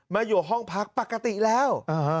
มาอยู่ห้องพักปกติแล้ว